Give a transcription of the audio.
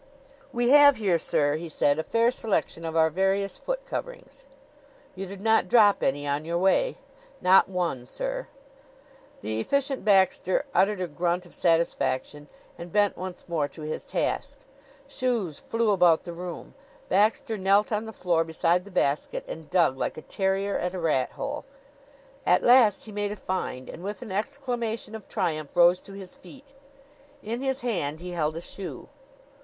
"We have here, sir," he said, "a fair selection of our various foot coverings." "You did not drop any on your way?" "Not one, sir." The Efficient Baxter uttered a grunt of satisfaction and bent once more to his task. Shoes flew about the room. Baxter knelt on the floor beside the basket, and dug like a terrier at a rat hole. At last he made a find and with an exclamation of triumph rose to his feet. In his hand he held a shoe.